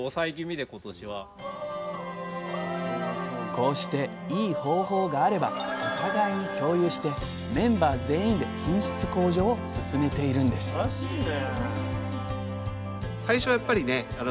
こうしていい方法があればお互いに共有してメンバー全員で品質向上を進めているんですすばらしいね。